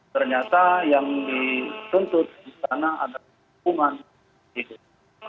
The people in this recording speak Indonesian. ternyata yang dituntut di sana adalah hukuman